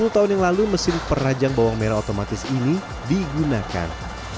sepuluh tahun yang lalu mesin perajang bawang merah otomatis ini digunakan